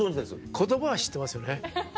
言葉は知ってますよね。